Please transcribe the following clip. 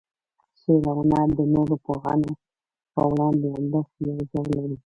شعر و هنر د نورو پوهنو په وړاندې همداسې یو ځای لري.